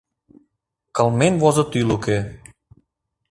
Кылмен возыт ӱлыкӧ.